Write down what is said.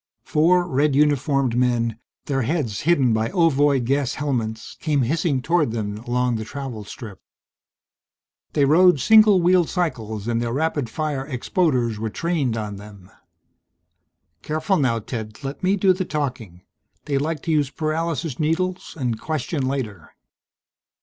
Four red uniformed men, their heads hidden by ovoid gas helmets, came hissing toward them along the travel strip. They rode single wheeled cycles and their rapid fire expoders were trained on them. "Careful now, Ted. Let me do the talking. They like to use paralysis needles and question later."